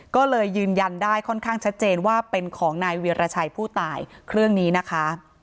ก็เลยยืนยันได้ค่อนข้างชัดเจนว่าเป็นของนายเวียรชัยผู้ตายเครื่องนี้นะคะ